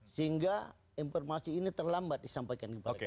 sehingga informasi ini terlambat disampaikan kepada kami